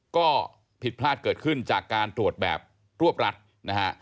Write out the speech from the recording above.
ก็ผิดพลาดเกิดขึ้นจากการตรวจแบบรวบรัดนะฮะ